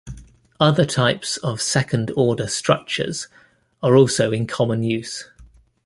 Other types of second order structures are also in common use.